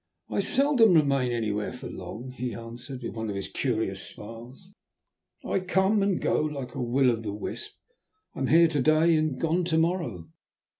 "I seldom remain anywhere for very long," he answered, with one of his curious smiles. "I come and go like a Will o' the wisp; I am here to day and gone to morrow."